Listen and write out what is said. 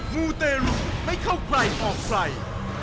มูเตรุไม่เข้าใกล้ออกไกล